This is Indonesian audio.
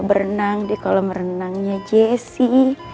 mau berenang di kolam renangnya jessy